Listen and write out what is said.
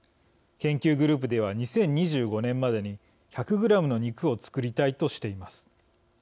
研究グループでは２０２５年までに１００グラムの肉を作りたいとしています。